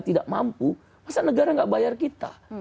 tidak mampu masa negara tidak bayar kita